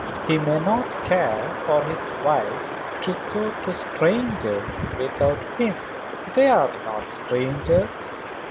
He may not care for his wife to go to strangers without him." "They are not strangers.